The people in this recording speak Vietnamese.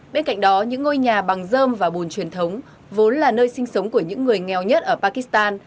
bên cạnh đó những ngôi nhà bằng dơm và bùn truyền thống vốn là nơi sinh sống của những người nghèo nhất ở pakistan